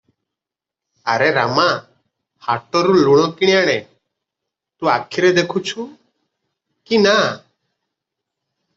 ଆରେ ରାମା ହାଟରୁ ଲୁଣ କିଣି ଆଣେ, ତୁ ଆଖିରେ ଦେଖିଛୁ କି ନା?